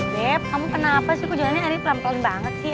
beb kamu kenapa sih kujalan ini pelan pelan banget sih